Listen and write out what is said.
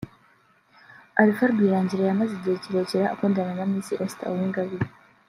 Alpha Rwirangira yamaze igihe kirekire akundana na Miss Esther Uwingabire